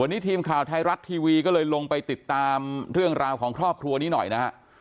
วันนี้ทีมข่าวไทยรัฐทีวีก็เลยลงไปติดตามเรื่องราวของครอบครัวนี้หน่อยนะฮะ